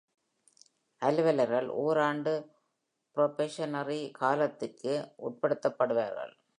அலுவலர்கள் ஓராண்டு probationary காலத்திற்கு உட்படுத்தப்படுவார்கள்.